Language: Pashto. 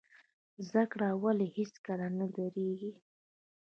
زده کړه ولې هیڅکله نه دریږي؟